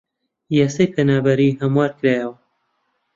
یاسای پەنابەری هەموار کرایەوە